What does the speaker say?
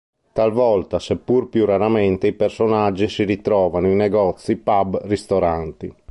Talvolta, seppur più raramente, i personaggi si ritrovano in negozi, pub, ristoranti.